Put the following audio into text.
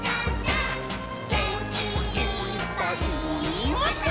「げんきいっぱいもっと」